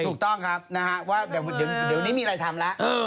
ถูกต้องครับนะฮะว่าเดี๋ยวนี้มีอะไรทำแล้ว